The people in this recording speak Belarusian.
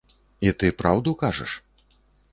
І ты праўду кажаш?